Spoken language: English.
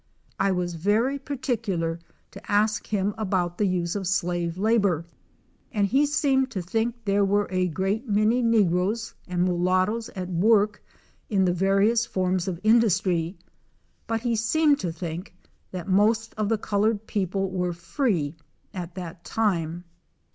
I was very particular to ask him about the use of slave labor, and he seemed to think there were a great many negroes and mulattoes at work in the various forms of industry, but he seemed to think that most of the colored people were free at that time.